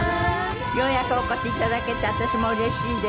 ようやくお越しいただけて私もうれしいです。